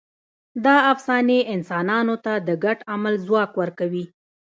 دا افسانې انسانانو ته د ګډ عمل ځواک ورکوي.